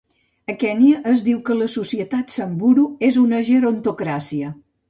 A Kènia es diu que la societat samburu és una gerontocràcia.